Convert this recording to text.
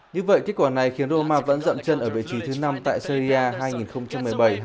như vậy kết quả này khiến roma vẫn dậm chân ở vị trí thứ năm tại serie a hai nghìn một mươi bảy hai nghìn một mươi tám